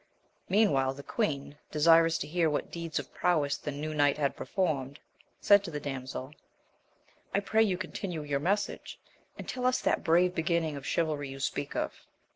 Meanwhile the queen, de sirous to hear what deeds of prowess the new knight had performed said to the damsel, I pray you continue your message, and tell us that brave beginning of chivalry you speak of.